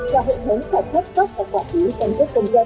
và hệ thống sản xuất cấp và quản lý cân cấp công dân